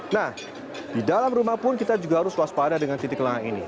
nah di dalam rumah pun kita juga harus waspada dengan titik lengah ini